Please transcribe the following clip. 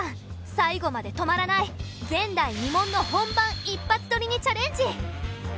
最後まで止まらない前代未聞の本番一発撮りにチャレンジ。